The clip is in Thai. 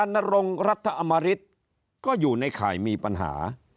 นรงรัฐอมริตก็อยู่ในข่ายมีปัญหา